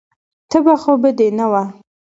تبه خو به دې نه وه.